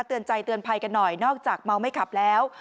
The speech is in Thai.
ใจเตือนภัยกันหน่อยนอกจากเมาไม่ขับแล้ว